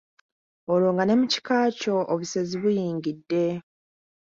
Olwo nga ne mu kika kyo obusezi buyingidde.